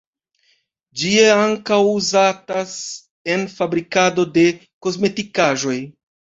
Ĝi ankaŭ uzatas en fabrikado de kosmetikaĵoj.